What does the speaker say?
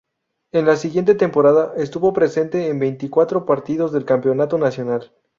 En la siguiente temporada estuvo presente en veinticuatro partidos del campeonato nacional.